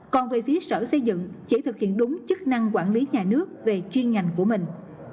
còn về phía sở xây dựng chỉ thực hiện đúng chức năng quản lý nhà nước về chuyên ngành của mình